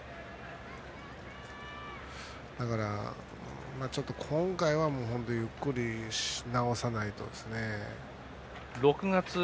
だから、ちょっと今回は本当にゆっくり治さないとですね。